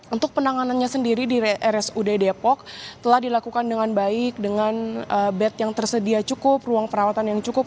untuk penanganannya sendiri di rsud depok telah dilakukan dengan baik dengan bed yang tersedia cukup ruang perawatan yang cukup